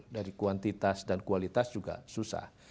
dari kuantitas dan kualitas juga susah